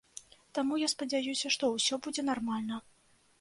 Таму я спадзяюся, што ўсё будзе нармальна.